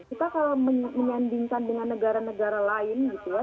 kita kalau menyandingkan dengan negara negara lain gitu ya